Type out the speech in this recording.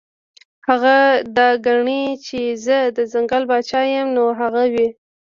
هغه دا ګڼي چې زۀ د ځنګل باچا يمه نو هغه وي -